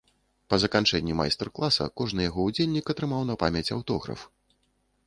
Па заканчэнні майстар-класа кожны яго ўдзельнік атрымаў на памяць аўтограф.